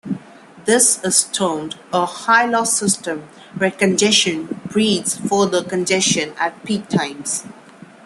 This is termed a high-loss system, where congestion breeds further congestion at peak times.